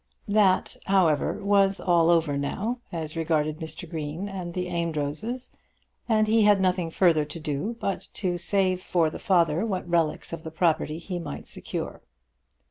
That, however, was all over now as regarded Mr. Green and the Amedrozes, and he had nothing further to do but to save for the father what relics of the property he might secure.